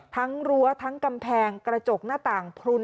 รั้วทั้งกำแพงกระจกหน้าต่างพลุน